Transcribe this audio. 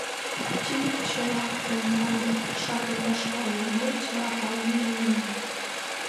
Тиде чыла Ондран кашакын пашаже, мый чыла пален налынам...